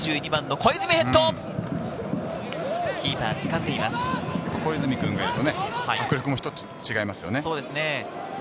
小泉君がいるとね、迫力も一つ違いますね。